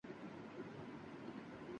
جاری نہیں کیا گیا ہے